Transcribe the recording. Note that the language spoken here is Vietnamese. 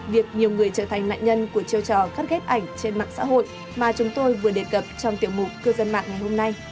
việc nhiều người trở thành nạn nhân của chiêu trò cắt ghép ảnh trên mạng xã hội mà chúng tôi vừa đề cập trong tiểu mục cư dân mạng ngày hôm nay